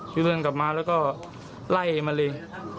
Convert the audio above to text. คือเดินกลับมาแล้วก็ไล่มาเลย